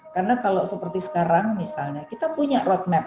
karena kalau seperti sekarang misalnya kita punya roadmap